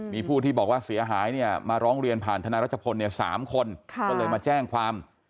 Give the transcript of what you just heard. มีผู้ที่บอกว่าเสียหายเนี่ยมาร้องเรียนผ่านทนายรัชพลเนี่ย๓คนก็เลยมาแจ้งความ